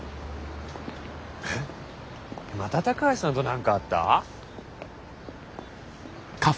えっまた高橋さんと何かあった？